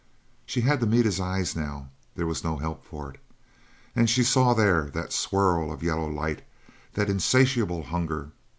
She had to meet his eyes now there was no help for it and she saw there that swirl of yellow light that insatiable hunger.